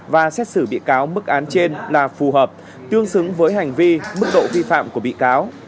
và xét xử bị cáo mức án trên là phù hợp tương xứng với hành vi mức độ vi phạm của bị cáo